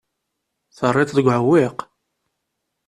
Terriḍ-t deg uɛewwiq.